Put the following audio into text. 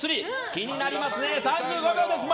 気になりますね、３５秒です。